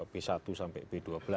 b satu sampai b dua belas